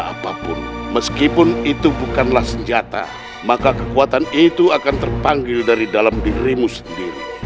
apapun meskipun itu bukanlah senjata maka kekuatan itu akan terpanggil dari dalam dirimu sendiri